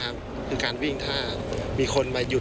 เพราะว่าการวิ่งถ้ามีคนมาหยุด